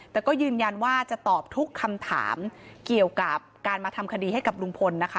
แต่ก็ยืนยันว่าจะตอบทุกคำถามเกี่ยวกับการมาทำคดีให้กับลุงพลนะคะ